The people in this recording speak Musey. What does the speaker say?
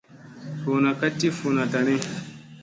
Suuna ka ti funa tani.